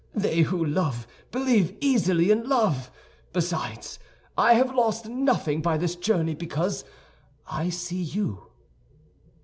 They who love believe easily in love. Besides, I have lost nothing by this journey because I see you."